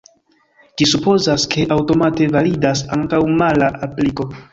Ĝi supozas, ke aŭtomate validas ankaŭ mala apliko.